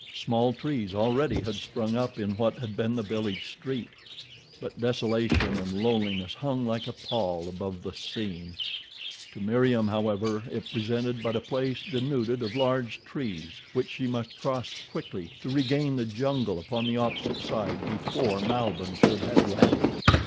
Small trees already had sprung up in what had been the village street; but desolation and loneliness hung like a pall above the scene. To Meriem, however, it presented but a place denuded of large trees which she must cross quickly to regain the jungle upon the opposite side before Malbihn should have landed.